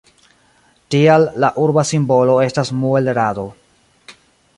Tial, la urba simbolo estas muel-rado.